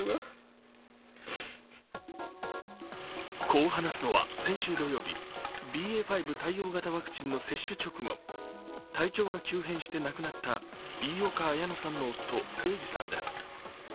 こう話すのは先週土曜日ＢＡ．５対応型ワクチンの接種直後、体調が急変して亡くなった飯岡綾乃さんの夫、英治さんです。